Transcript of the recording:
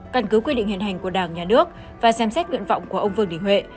căn cứ quy định hiện hành của đảng nhà nước và xem xét nguyện vọng của ông vương đình huệ